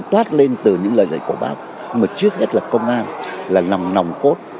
tác lên từ những lời dạy của bác mà trước hết là công an là nòng nòng cốt